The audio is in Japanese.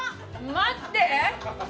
待って！